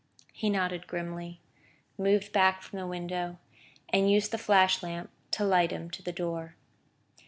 He nodded grimly, moved back from the window, and used the flash lamp to light him to the door.